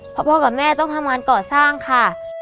เพราะพ่อกับแม่ต้องทำงานก่อสร้างค่ะ